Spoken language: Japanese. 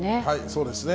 そうですね。